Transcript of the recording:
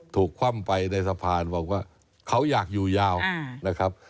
คว่ำไปในสะพานบอกว่าเขาอยากอยู่ยาวนะครับ